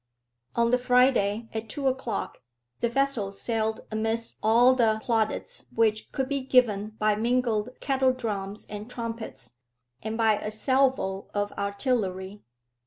On the Friday, at two o'clock, the vessel sailed amidst all the plaudits which could be given by mingled kettle drums and trumpets, and by a salvo of artillery.